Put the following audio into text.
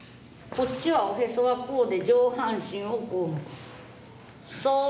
こっちはおへそはこうで上半身をこう向く。